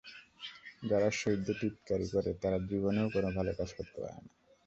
যারা শহীদদের টিটকারি করে, তারা জীবনেও কোনো ভালো কাজ করতে পারে না।